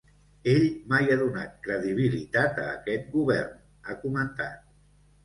Ell mai ha donat credibilitat a aquest govern, ha comentat.